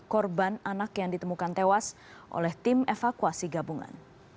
korban anak yang ditemukan tewas oleh tim evakuasi gabungan